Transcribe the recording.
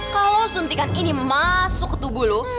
kalau suntikan ini masuk ke tubuh lo